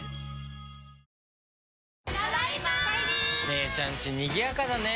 姉ちゃんちにぎやかだね。